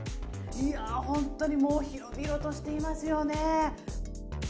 いやー、本当にもう広々としていますよね。